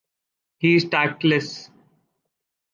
He is tactless.